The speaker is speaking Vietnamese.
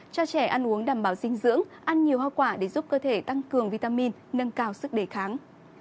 cho trẻ ăn uống đảm bảo dinh dưỡng ăn nhiều hoa quả để giúp cơ thể tăng cường vitamin nâng cao sức đề kháng